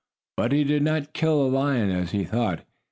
But he did not kill a lion, as he thought.